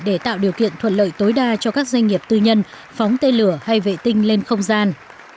để tạo điều kiện thuận lợi tối đa cho các doanh nghiệp tư nhân phóng tên lửa hay vệ tinh lên không gian